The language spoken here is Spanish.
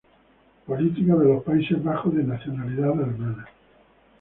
Político de los Países Bajos de nacionalidad alemana.